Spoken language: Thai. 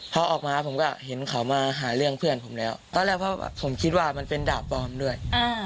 พอออกมาผมก็เห็นเขามาหาเรื่องเพื่อนผมแล้วตอนแรกเพราะผมคิดว่ามันเป็นดาบปลอมด้วย